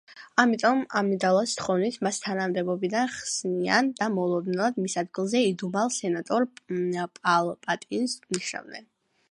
ამიტომ, ამიდალას თხოვნით, მას თანამდებობიდან ხსნიან და მოულოდნელად მის ადგილზე იდუმალ სენატორ პალპატინს ნიშნავენ.